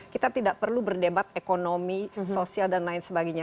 kita tidak perlu berdebat ekonomi sosial dan lain sebagainya